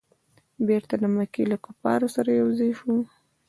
بیرته د مکې له کفارو سره یو ځای سو.